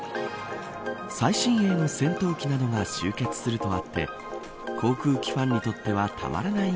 最新鋭の戦闘機などが集結するとあって航空機ファンにとってはたまらない